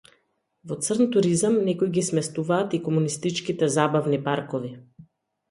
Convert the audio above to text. Во црн туризам некои ги сместуваат и комунистичките забавни паркови.